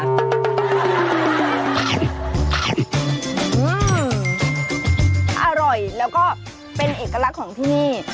อร่อยแล้วก็เป็นเอกลักษณ์ของที่นี่